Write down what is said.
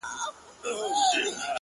ارمانه اوس درنه ښكلا وړي څوك _